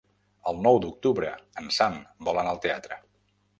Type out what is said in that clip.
El nou d'octubre en Sam vol anar al teatre.